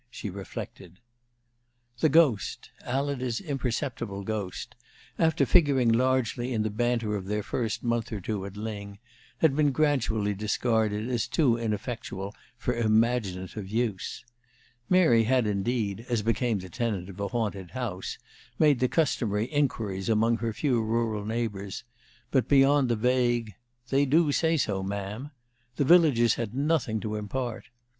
she reflected. The ghost Alida's imperceptible ghost after figuring largely in the banter of their first month or two at Lyng, had been gradually discarded as too ineffectual for imaginative use. Mary had, indeed, as became the tenant of a haunted house, made the customary inquiries among her few rural neighbors, but, beyond a vague, "They du say so, Ma'am," the villagers had nothing to impart.